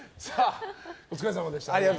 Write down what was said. お疲れさまでした。